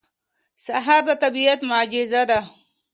سهار د طبیعت معجزه ده.